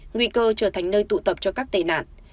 nguy cơ trở thành nơi tụ tập cho các tệ nạn